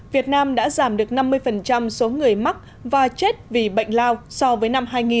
việt nam đã giảm được năm mươi số người mắc và chết vì bệnh lao so với năm hai nghìn